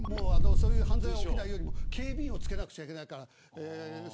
犯罪が起きないように警備員をつけなくちゃいけないから。